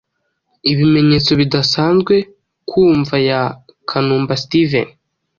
Ibimenyetso bidasanzwe ku mva ya Kanumba Steven